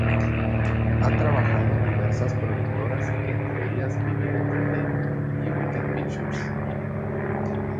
Ha trabajado en diversas productoras, entre ellas Vivid Entertainment y Wicked Pictures.